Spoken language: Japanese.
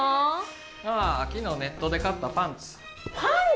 ああ、きのうネットで買ったパンツ？